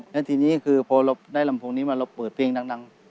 แล้วทีนี้คือพอเราได้ลำโพงนี้มาเราเปิดเพลงดัง